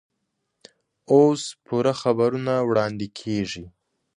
اوس پوره خبرونه واړندې کېږي.